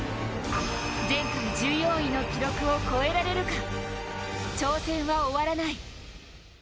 前回１４位の記録を超えられるか、挑戦は終わらない。